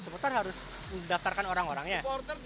supporter harus mendaftarkan orang orangnya